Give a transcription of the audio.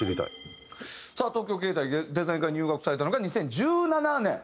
さあ東京藝大デザイン科に入学されたのが２０１７年。